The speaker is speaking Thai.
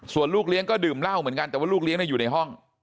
ส่วนลูกเลี้ยงก็ดื่มเหล้าเหมือนกันแต่ว่าลูกเลี้ยงอยู่ในห้อง